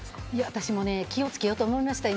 私も気を付けようと思いました